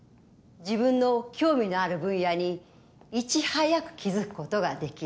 自分の興味のある分野にいち早く気付くことができる。